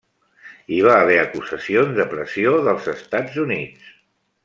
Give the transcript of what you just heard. Hi va haver acusacions de pressió dels Estats Units.